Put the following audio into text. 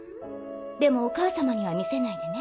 でもお母様には見せないでね。